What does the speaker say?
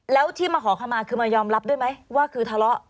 แล้วที่มาขอขมาคือมายอมรับด้วยไหมว่าคือทะเลาะ